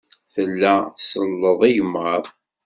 Tella tselleḍ igmaḍ.